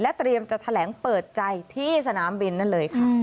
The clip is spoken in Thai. เตรียมจะแถลงเปิดใจที่สนามบินนั่นเลยค่ะ